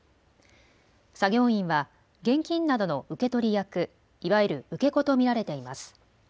作業員は現金などの受け取り役、いわゆる受け子と見られています。